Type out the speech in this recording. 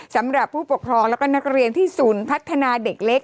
สำหรับผู้ปกครองแล้วก็นักเรียนที่ศูนย์พัฒนาเด็กเล็ก